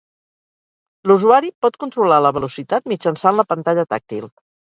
L'usuari pot controlar la velocitat mitjançant la pantalla tàctil.